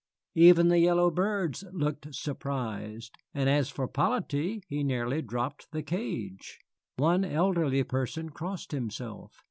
Even the yellow birds looked surprised, and as for 'Polyte, he nearly dropped the cage. One elderly person crossed himself.